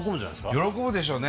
喜ぶでしょうね。